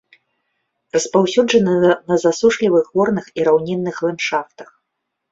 Распаўсюджаны на засушлівых горных і раўнінных ландшафтах.